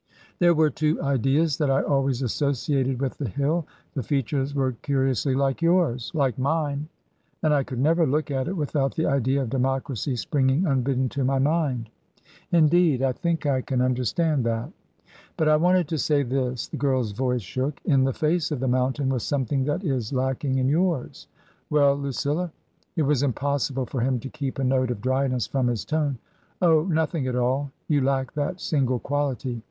" There were two ideas that I always associated with the hill. The features were curiously like yours "" Like mine f " And I could never look at it without the idea of democracy springing unbidden to my mind." " Indeed ? I think I can understand that." " But I wanted to say this" — ^the girl's voice shook —" in the face of the mountain was something that is lack ing in yours." " Well, Lucilla ?" It was impossible for him to keep a note of dryness from his tone. " Oh, nothing after all ! You lack that single quality.